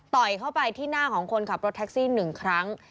เข้าไปที่หน้าของคนขับรถแท็กซี่๑ครั้ง